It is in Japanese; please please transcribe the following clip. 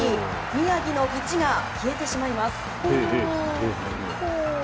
宮城の勝ちが消えてしまいます。